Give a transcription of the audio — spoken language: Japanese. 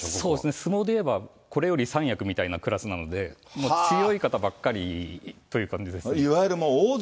相撲で言えば、これより三役みたいなクラスなので、もう強い方ばっかりという感いわゆる大関、